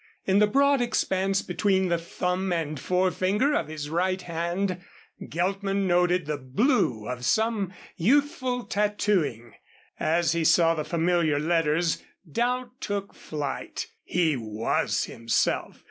In the broad expanse between the thumb and forefinger of his right hand Geltman noted the blue of some youthful tattooing. As he saw the familiar letters doubt took flight. He was himself.